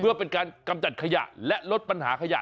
เพื่อเป็นการกำจัดขยะและลดปัญหาขยะ